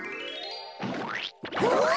うわ！